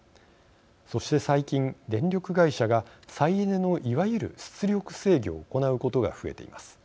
そして最近電力会社が再エネのいわゆる出力制御を行うことが増えています。